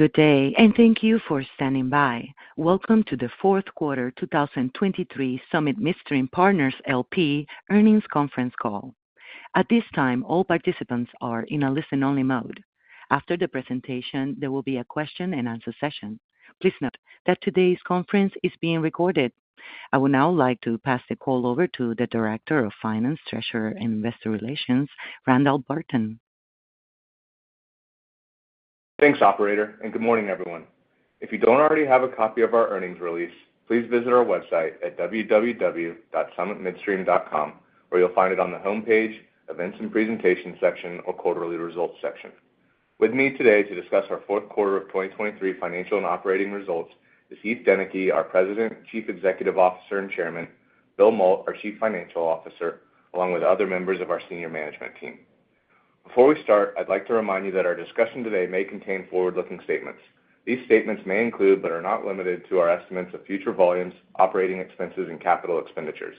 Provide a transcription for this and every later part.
Good day, and thank you for standing by. Welcome to the Q4 2023 Summit Midstream Partners, LP Earnings Conference Call. At this time, all participants are in a listen-only mode. After the presentation, there will be a question-and-answer session. Please note that today's conference is being recorded. I would now like to pass the call over to the Director of Finance, Treasurer, and Investor Relations, Randall Burton. Thanks, operator, and good morning, everyone. If you don't already have a copy of our earnings release, please visit our website at www.summitmidstream.com, where you'll find it on the homepage, Events and Presentation section or Quarterly Results section. With me today to discuss our Q4 of 2023 financial and operating results is Heath Deneke, our President, Chief Executive Officer, and Chairman, Will Mault, our Chief Financial Officer, along with other members of our senior management team. Before we start, I'd like to remind you that our discussion today may contain forward-looking statements. These statements may include, but are not limited to, our estimates of future volumes, operating expenses, and capital expenditures.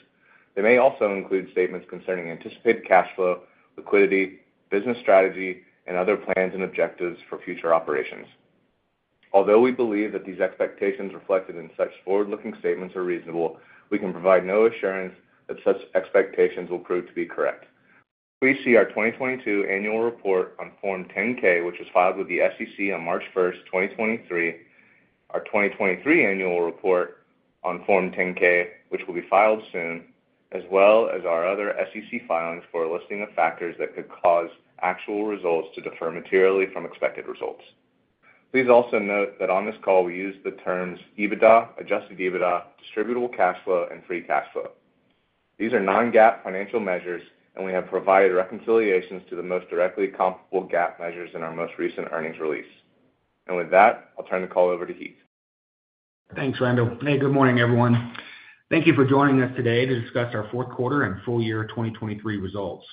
They may also include statements concerning anticipated cash flow, liquidity, business strategy, and other plans and objectives for future operations. Although we believe that these expectations reflected in such forward-looking statements are reasonable, we can provide no assurance that such expectations will prove to be correct. Please see our 2022 annual report on Form 10-K, which was filed with the SEC on March 1st, 2023, our 2023 annual report on Form 10-K, which will be filed soon, as well as our other SEC filings for a listing of factors that could cause actual results to differ materially from expected results. Please also note that on this call, we use the terms EBITDA, adjusted EBITDA, distributable cash flow, and free cash flow. These are non-GAAP financial measures, and we have provided reconciliations to the most directly comparable GAAP measures in our most recent earnings release. And with that, I'll turn the call over to Heath. Thanks, Randall. Hey, good morning, everyone. Thank you for joining us today to discuss our Q4 and Full Year 2023 Results.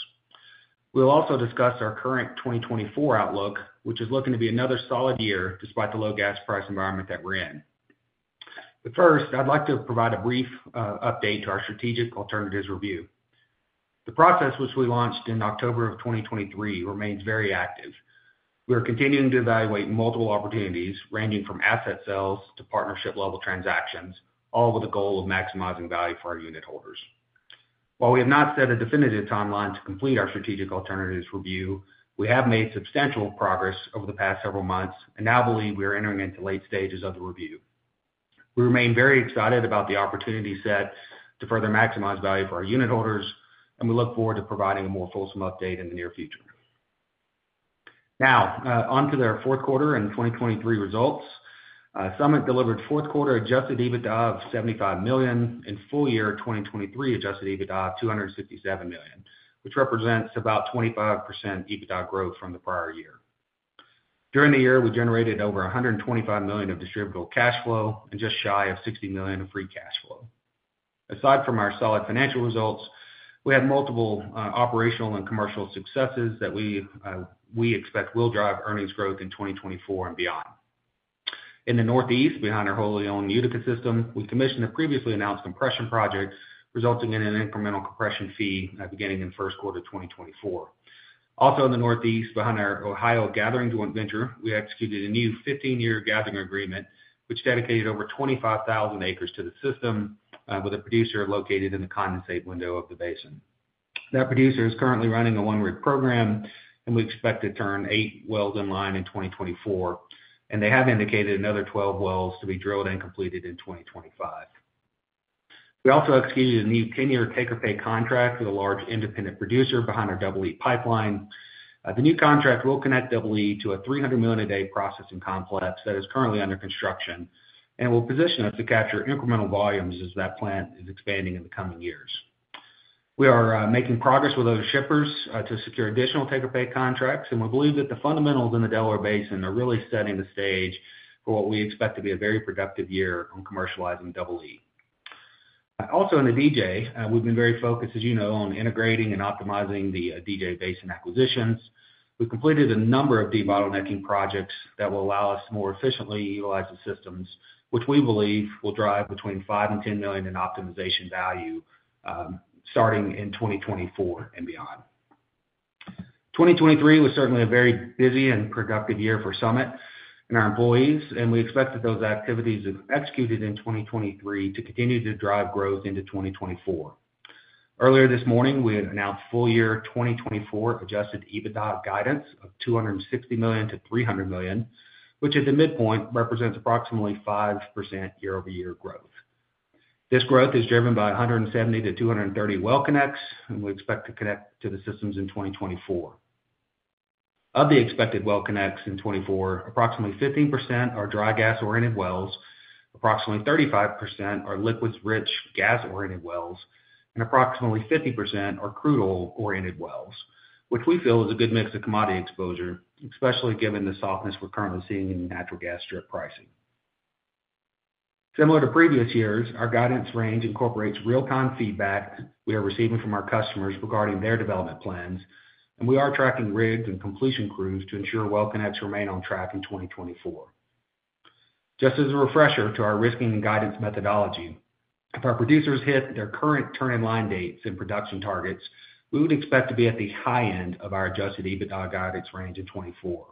We'll also discuss our current 2024 outlook, which is looking to be another solid year despite the low gas price environment that we're in. But first, I'd like to provide a brief update to our strategic alternatives review. The process, which we launched in October of 2023, remains very active. We are continuing to evaluate multiple opportunities, ranging from asset sales to partnership-level transactions, all with the goal of maximizing value for our unit holders. While we have not set a definitive timeline to complete our strategic alternatives review, we have made substantial progress over the past several months and now believe we are entering into late stages of the review. We remain very excited about the opportunity set to further maximize value for our unit holders, and we look forward to providing a more fulsome update in the near future. Now, onto their Q4 and 2023 results. Summit delivered Q4 adjusted EBITDA of $75 million and full year 2023 adjusted EBITDA of $267 million, which represents about 25% EBITDA growth from the prior year. During the year, we generated over $125 million of distributable cash flow and just shy of $60 million of free cash flow. Aside from our solid financial results, we had multiple, operational and commercial successes that we expect will drive earnings growth in 2024 and beyond. In the Northeast, behind our wholly owned Utica system, we commissioned a previously announced compression project, resulting in an incremental compression fee, beginning in Q1 2024. Also in the Northeast, behind our Ohio Gathering Joint Venture, we executed a new 15-year gathering agreement, which dedicated over 25,000 acres to the system, with a producer located in the condensate window of the basin. That producer is currently running a one-rig program, and we expect to turn eight wells in line in 2024, and they have indicated another 12 wells to be drilled and completed in 2025. We also executed a new 10-year take-or-pay contract with a large independent producer behind our Double E Pipeline. The new contract will connect Double E to a 300 million a day processing complex that is currently under construction and will position us to capture incremental volumes as that plant is expanding in the coming years. We are making progress with other shippers to secure additional take-or-pay contracts, and we believe that the fundamentals in the Delaware Basin are really setting the stage for what we expect to be a very productive year on commercializing Double E. Also, in the DJ, we've been very focused, as you know, on integrating and optimizing the DJ Basin acquisitions. We've completed a number of debottlenecking projects that will allow us to more efficiently utilize the systems, which we believe will drive between $5 million and $10 million in optimization value starting in 2024 and beyond. 2023 was certainly a very busy and productive year for Summit and our employees, and we expect that those activities executed in 2023 to continue to drive growth into 2024. Earlier this morning, we had announced full year 2024 adjusted EBITDA guidance of $260 million-$300 million, which at the midpoint represents approximately 5% year-over-year growth. This growth is driven by 170 to 230 well connects, and we expect to connect to the systems in 2024. Of the expected well connects in 2024, approximately 15% are dry gas-oriented wells, approximately 35% are liquids-rich gas-oriented wells, and approximately 50% are crude oil-oriented wells, which we feel is a good mix of commodity exposure, especially given the softness we're currently seeing in natural gas strip pricing. Similar to previous years, our guidance range incorporates real-time feedback we are receiving from our customers regarding their development plans, and we are tracking rigs and completion crews to ensure well connects remain on track in 2024. Just as a refresher to our risking and guidance methodology, if our producers hit their current turn-in-line dates and production targets, we would expect to be at the high end of our adjusted EBITDA guidance range in 2024.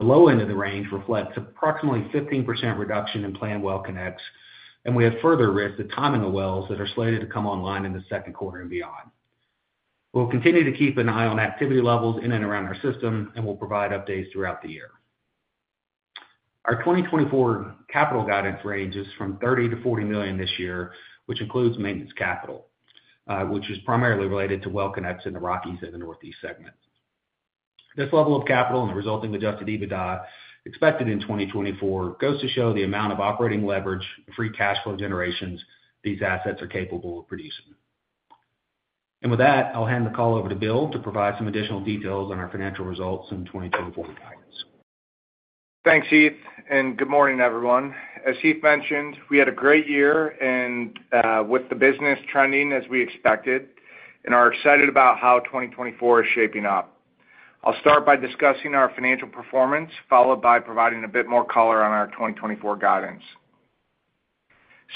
The low end of the range reflects approximately 15% reduction in planned well connects, and we have further risks of timing the wells that are slated to come online in the Q2 and beyond. We'll continue to keep an eye on activity levels in and around our system, and we'll provide updates throughout the year. Our 2024 capital guidance range is from $30 million-$40 million this year, which includes maintenance capital, which is primarily related to well connects in the Rockies and the Northeast segment. This level of capital and the resulting adjusted EBITDA expected in 2024 goes to show the amount of operating leverage, free cash flow generations these assets are capable of producing. And with that, I'll hand the call over to Will to provide some additional details on our financial results in 2024 guidance. Thanks, Heath, and good morning, everyone. As Heath mentioned, we had a great year and with the business trending as we expected and are excited about how 2024 is shaping up. I'll start by discussing our financial performance, followed by providing a bit more color on our 2024 guidance.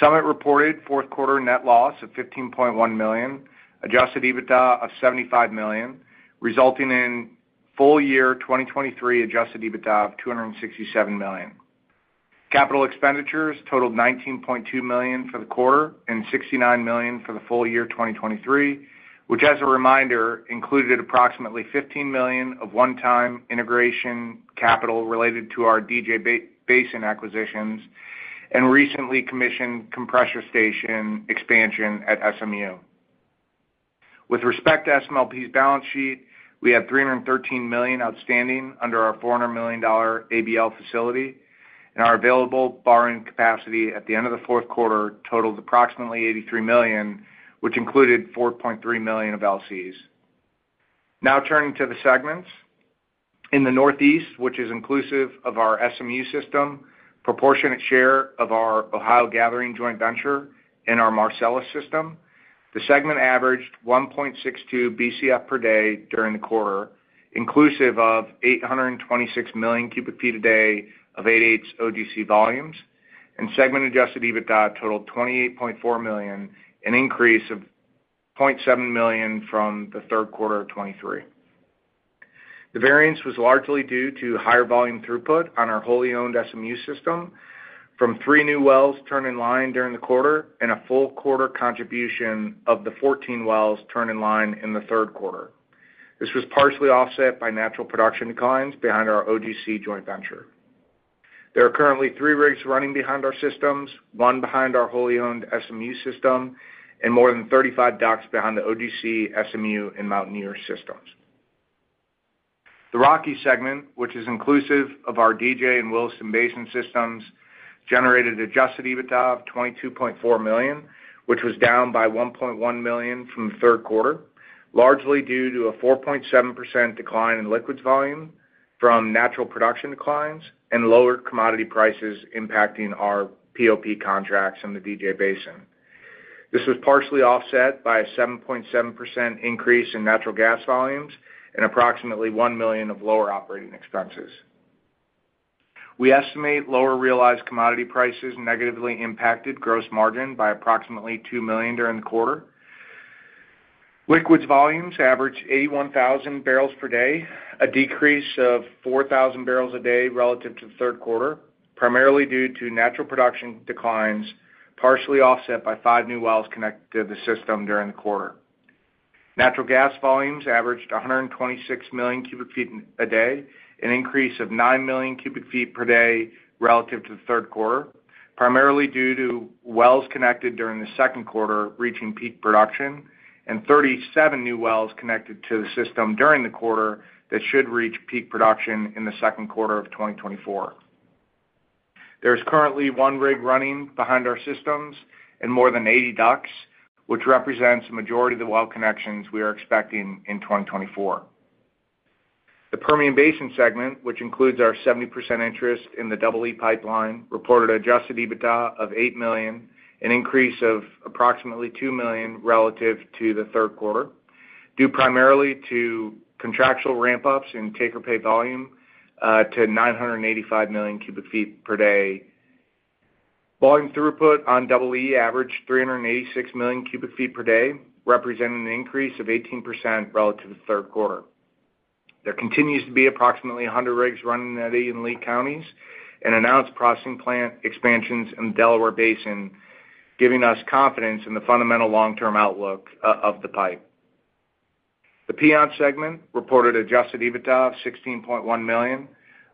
Summit reported Q4 net loss of $15.1 million, adjusted EBITDA of $75 million, resulting in full year 2023 adjusted EBITDA of $267 million. Capital expenditures totaled $19.2 million for the quarter and $69 million for the full year 2023, which, as a reminder, included approximately $15 million of one-time integration capital related to our DJ Basin acquisitions and recently commissioned compressor station expansion at SMU. With respect to SMLP's balance sheet, we have $313 million outstanding under our $400 million ABL facility, and our available borrowing capacity at the end of the Q4 totaled approximately $83 million, which included $4.3 million of LCs. Now turning to the segments. In the Northeast, which is inclusive of our SMU system, proportionate share of our Ohio Gathering joint venture and our Marcellus system, the segment averaged 1.62 BCF per day during the quarter, inclusive of 826 million cubic feet a day of 8/8ths OGC volumes, and segment-adjusted EBITDA totaled $28.4 million, an increase of $0.7 million from the Q3 of 2023. The variance was largely due to higher volume throughput on our wholly owned SMU system from three new wells turned in line during the quarter and a full quarter contribution of the 14 wells turned in line in the Q3. This was partially offset by natural production declines behind our OGC joint venture. There are currently three rigs running behind our systems, one behind our wholly owned SMU system, and more than 35 DUCs behind the OGC, SMU, and Mountaineer systems. The Rockies segment, which is inclusive of our DJ and Williston Basin systems, generated adjusted EBITDA of $22.4 million, which was down by $1.1 million from the Q3, largely due to a 4.7% decline in liquids volume from natural production declines and lower commodity prices impacting our POP contracts in the DJ Basin. This was partially offset by a 7.7% increase in natural gas volumes and approximately $1 million of lower operating expenses. We estimate lower realized commodity prices negatively impacted gross margin by approximately $2 million during the quarter. Liquids volumes averaged 81,000 barrels per day, a decrease of 4,000 barrels a day relative to the Q3, primarily due to natural production declines, partially offset by five new wells connected to the system during the quarter. Natural gas volumes averaged 126 million cubic feet a day, an increase of 9 million cubic feet per day relative to the Q3, primarily due to wells connected during the Q2 reaching peak production and 37 new wells connected to the system during the quarter that should reach peak production in the Q2 of 2024. There is currently one rig running behind our systems and more than 80 DUCs, which represents the majority of the well connections we are expecting in 2024. The Permian Basin segment, which includes our 70% interest in the Double E Pipeline, reported adjusted EBITDA of $8 million, an increase of approximately $2 million relative to the Q3, due primarily to contractual ramp-ups in take-or-pay volume to 985 million cubic feet per day. Volume throughput on Double E averaged 386 million cubic feet per day, representing an increase of 18% relative to the Q3. There continues to be approximately 100 rigs running in Lea County and announced processing plant expansions in the Delaware Basin, giving us confidence in the fundamental long-term outlook of the pipe. The Piceance segment reported adjusted EBITDA of $16.1 million,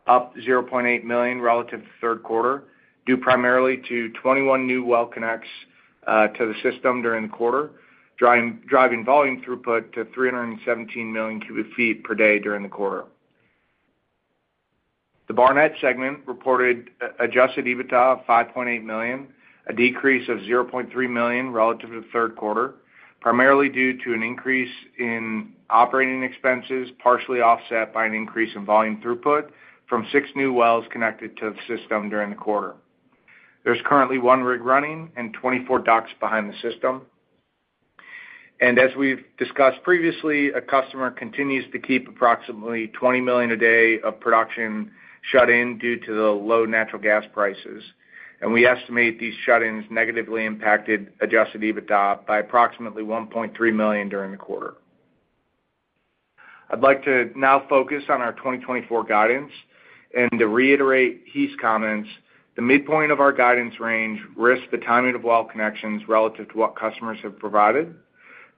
up $0.8 million relative to the Q3, due primarily to 21 new well connects to the system during the quarter, driving volume throughput to 317 million cubic feet per day during the quarter. The Barnett segment reported adjusted EBITDA of $5.8 million, a decrease of $0.3 million relative to the Q3, primarily due to an increase in operating expenses, partially offset by an increase in volume throughput from six new wells connected to the system during the quarter. There's currently one rig running and 24 DUCs behind the system. As we've discussed previously, a customer continues to keep approximately 20 million a day of production shut in due to the low natural gas prices, and we estimate these shut-ins negatively impacted adjusted EBITDA by approximately $1.3 million during the quarter. I'd like to now focus on our 2024 guidance, and to reiterate Heath's comments, the midpoint of our guidance range risks the timing of well connections relative to what customers have provided.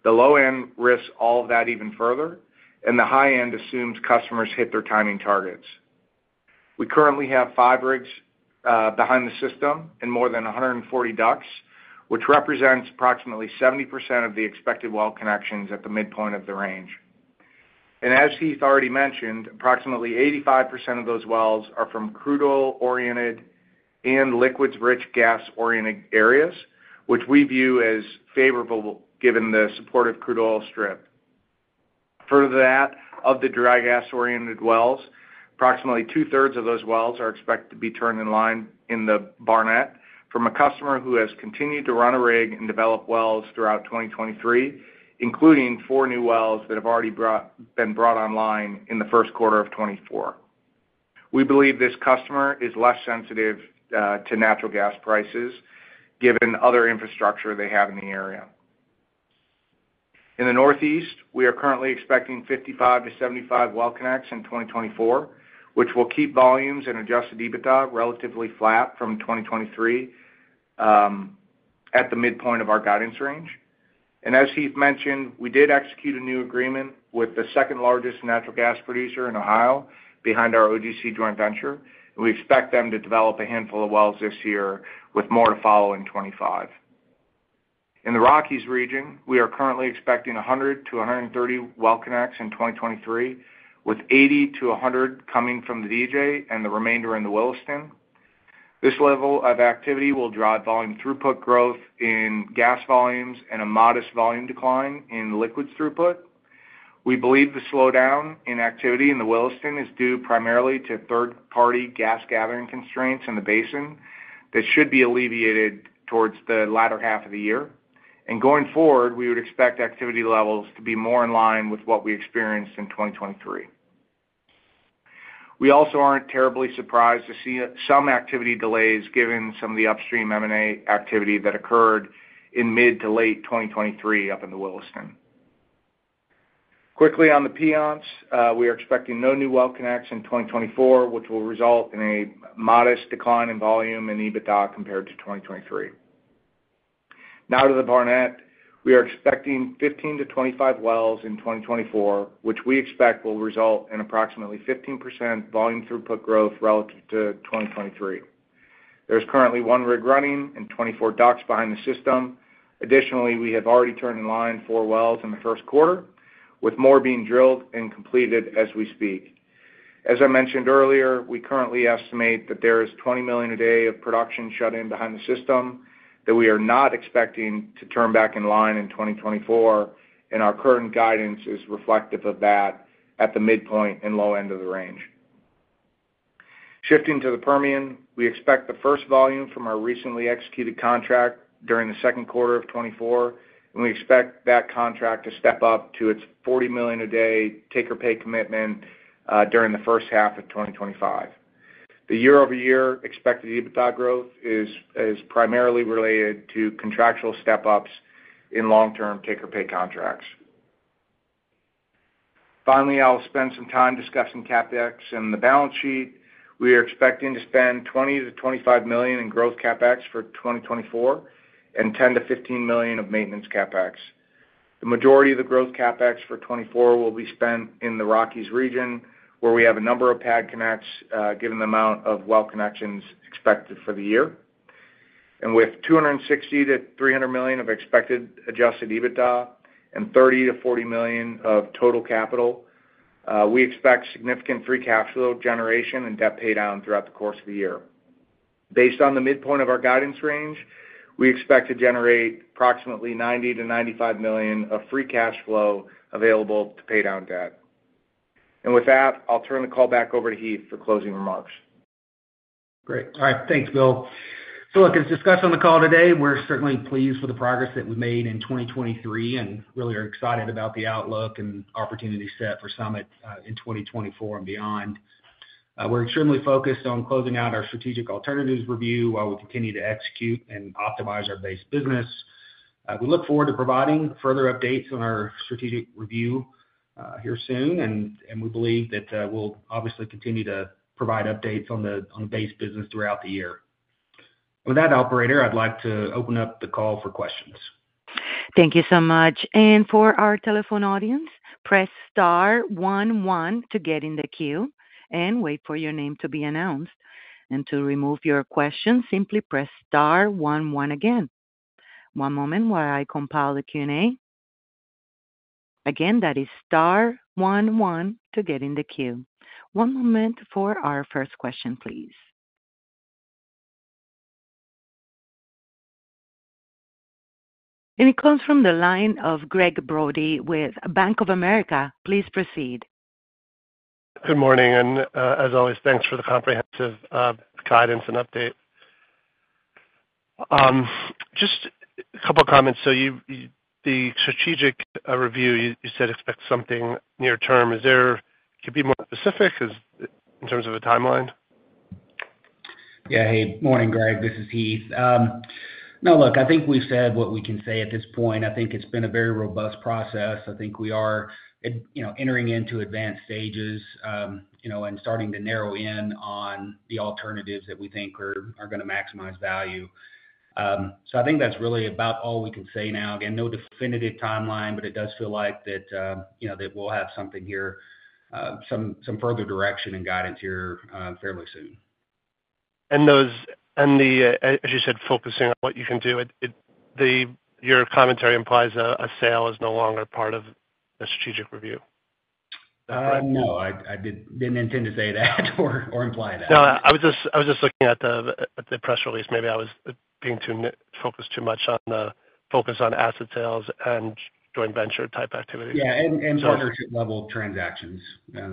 The low end risks all of that even further, and the high end assumes customers hit their timing targets. We currently have five rigs behind the system and more than 140 DUCs, which represents approximately 70% of the expected well connections at the midpoint of the range. As Heath already mentioned, approximately 85% of those wells are from crude oil-oriented and liquids-rich gas-oriented areas, which we view as favorable, given the supportive crude oil strip. Further to that, of the dry gas-oriented wells, approximately two-thirds of those wells are expected to be turned in line in the Barnett from a customer who has continued to run a rig and develop wells throughout 2023, including 4 new wells that have already been brought online in the Q1 of 2024. We believe this customer is less sensitive to natural gas prices, given other infrastructure they have in the area. In the Northeast, we are currently expecting 55 to 75 well connects in 2024, which will keep volumes and adjusted EBITDA relatively flat from 2023 at the midpoint of our guidance range. As Heath mentioned, we did execute a new agreement with the second-largest natural gas producer in Ohio behind our OGC joint venture, and we expect them to develop a handful of wells this year, with more to follow in 2025. In the Rockies region, we are currently expecting 100 to 130 well connects in 2023, with 80 to 100 coming from the DJ and the remainder in the Williston. This level of activity will drive volume throughput growth in gas volumes and a modest volume decline in liquids throughput. We believe the slowdown in activity in the Williston is due primarily to third-party gas gathering constraints in the basin that should be alleviated towards the latter half of the year. Going forward, we would expect activity levels to be more in line with what we experienced in 2023. We also aren't terribly surprised to see some activity delays, given some of the upstream M&A activity that occurred in mid to late 2023 up in the Williston. Quickly on the Piceance, we are expecting no new well connects in 2024, which will result in a modest decline in volume in EBITDA compared to 2023. Now to the Barnett. We are expecting 15 to 25 wells in 2024, which we expect will result in approximately 15% volume throughput growth relative to 2023. There's currently one rig running and 24 DUCs behind the system. Additionally, we have already turned in line four wells in the Q1, with more being drilled and completed as we speak. As I mentioned earlier, we currently estimate that there is 20 million a day of production shut in behind the system that we are not expecting to turn back in line in 2024, and our current guidance is reflective of that at the midpoint and low end of the range. Shifting to the Permian, we expect the first volume from our recently executed contract during the Q2 of 2024, and we expect that contract to step up to its 40 million a day take-or-pay commitment during the first half of 2025. The year-over-year expected EBITDA growth is primarily related to contractual step-ups in long-term take-or-pay contracts. Finally, I'll spend some time discussing CapEx and the balance sheet. We are expecting to spend $20-$25 million in growth CapEx for 2024 and $10-$15 million of maintenance CapEx. The majority of the growth CapEx for 2024 will be spent in the Rockies region, where we have a number of pad connects, given the amount of well connections expected for the year. And with $260 million-$300 million of expected adjusted EBITDA and $30 million-$40 million of total capital, we expect significant free cash flow generation and debt paydown throughout the course of the year. Based on the midpoint of our guidance range, we expect to generate approximately $90 million-$95 million of free cash flow available to pay down debt. And with that, I'll turn the call back over to Heath for closing remarks. Great. All right. Thanks, Will. So look, as discussed on the call today, we're certainly pleased with the progress that we made in 2023 and really are excited about the outlook and opportunity set for Summit in 2024 and beyond. We're extremely focused on closing out our strategic alternatives review while we continue to execute and optimize our base business. We look forward to providing further updates on our strategic review here soon, and we believe that we'll obviously continue to provide updates on the base business throughout the year. With that, operator, I'd like to open up the call for questions. Thank you so much. For our telephone audience, press star one one to get in the queue and wait for your name to be announced. To remove your question, simply press star one one again. One moment while I compile the Q&A. Again, that is star one one to get in the queue. One moment for our first question, please. It comes from the line of Gregg Brody with Bank of America. Please proceed. Good morning, and as always, thanks for the comprehensive guidance and update. Just a couple of comments. So the strategic review, you said expect something near term. Could you be more specific, as in terms of a timeline? Yeah. Hey, morning, Greg, this is Heath. Now, look, I think we've said what we can say at this point. I think it's been a very robust process. I think we are at, you know, entering into advanced stages, you know, and starting to narrow in on the alternatives that we think are gonna maximize value. So I think that's really about all we can say now. Again, no definitive timeline, but it does feel like that, you know, that we'll have something here, some further direction and guidance here, fairly soon. And the, as you said, focusing on what you can do, it, the your commentary implies a sale is no longer part of the strategic review. No, I didn't intend to say that or imply that. No, I was just looking at the press release. Maybe I was being too narrow-focused too much on the focus on asset sales and joint venture type activity. Yeah, and partnership level transactions,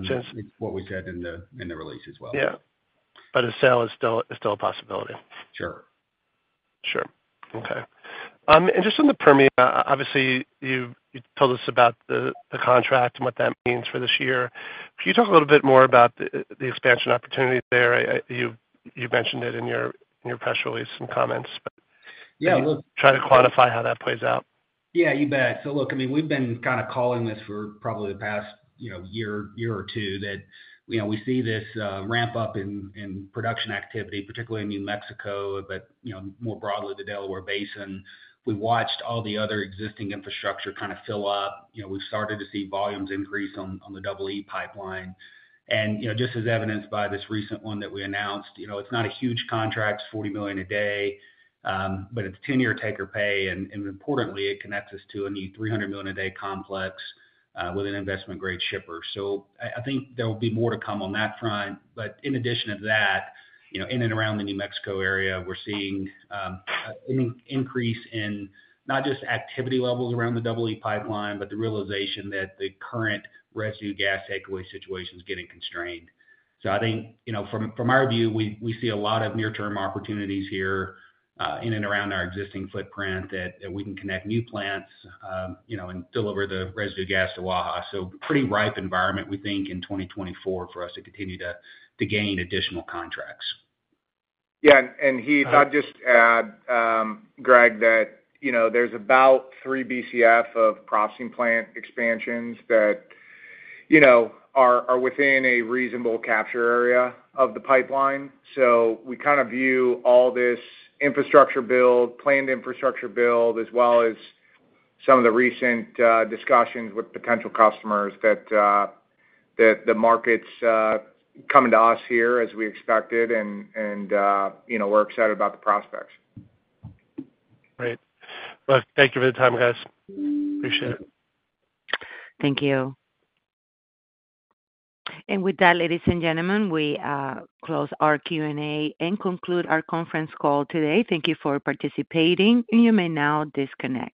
Sure What we said in the release as well. Yeah. But a sale is still a possibility? Sure. Sure. Okay. And just on the Permian, obviously, you told us about the contract and what that means for this year. Can you talk a little bit more about the expansion opportunity there? You mentioned it in your press release and comments, but- Yeah, look- Try to quantify how that plays out. Yeah, you bet. So look, I mean, we've been kind of calling this for probably the past, you know, year or two, that, you know, we see this ramp up in production activity, particularly in New Mexico, but, you know, more broadly, the Delaware Basin. We watched all the other existing infrastructure kind of fill up. You know, we've started to see volumes increase on the Double E Pipeline. And, you know, just as evidenced by this recent one that we announced, you know, it's not a huge contract, it's 40 million a day, but it's a 10-year take-or-pay. And importantly, it connects us to a new 300 million a day complex with an investment-grade shipper. So I think there will be more to come on that front. But in addition to that, you know, in and around the New Mexico area, we're seeing an increase in not just activity levels around the Double E Pipeline, but the realization that the current residue gas takeaway situation is getting constrained. So I think, you know, from our view, we see a lot of near-term opportunities here, in and around our existing footprint, that we can connect new plants, you know, and deliver the residue gas to Waha. So pretty ripe environment, we think, in 2024 for us to continue to gain additional contracts. Yeah, and Heath, I'd just add, Greg, that, you know, there's about 3 BCF of processing plant expansions that, you know, are within a reasonable capture area of the pipeline. So we kind of view all this infrastructure build, planned infrastructure build, as well as some of the recent discussions with potential customers, that the market's coming to us here as we expected, and, you know, we're excited about the prospects. Great. Well, thank you for the time, guys. Appreciate it. Thank you. And with that, ladies and gentlemen, we close our Q&A and conclude our conference call today. Thank you for participating. You may now disconnect.